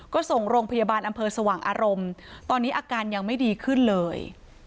ก็ส่งโรงพยาบาลอำเภอสว่างอารมณ์ตอนนี้อาการยังไม่ดีขึ้นเลย